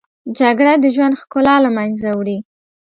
جګړه د ژوند ښکلا له منځه وړي